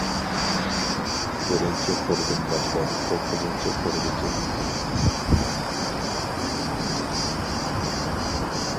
بىرىنچى قۇر دىن باشلاپ توققۇزىنچى قۇرغىچە.